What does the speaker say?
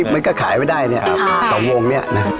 มันก็ขายไว้ได้เน่